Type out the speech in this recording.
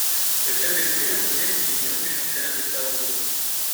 Le club évolue en deuxième division du championnat de São Paulo.